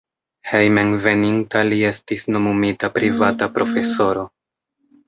Hejmenveninta li estis nomumita privata profesoro.